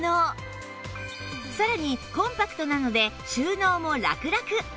さらにコンパクトなので収納もラクラク